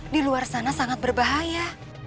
di luar sana sangat berbahaya